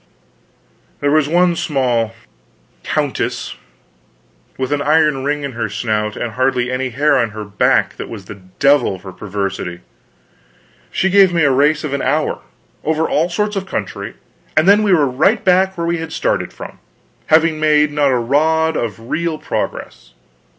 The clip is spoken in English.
There was one small countess, with an iron ring in her snout and hardly any hair on her back, that was the devil for perversity. She gave me a race of an hour, over all sorts of country, and then we were right where we had started from, having made not a rod of real progress.